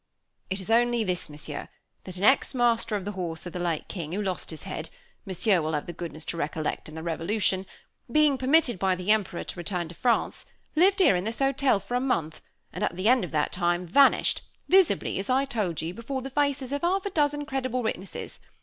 "It is only this, Monsieur, that an ex master of the horse of the late king, who lost his head Monsieur will have the goodness to recollect, in the revolution being permitted by the Emperor to return to France, lived here in this hotel, for a month, and at the end of that time vanished, visibly, as I told you, before the faces of half a dozen credible witnesses!